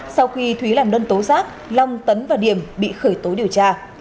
sau khi thúy làm đơn tố giác long tấn và điểm bị khởi tố điều tra